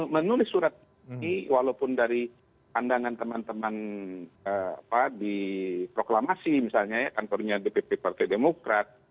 menulis surat ini walaupun dari pandangan teman teman di proklamasi misalnya ya kantornya dpp partai demokrat